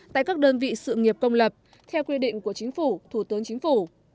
tại các đơn vị sự nghiệp công lập theo quy định của chính phủ thủ tướng chính phủ